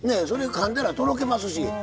かんだらとろけますし。